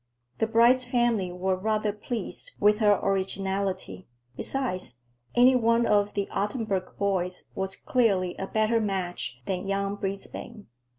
The bride's family were rather pleased with her originality; besides, any one of the Ottenburg boys was clearly a better match than young Brisbane.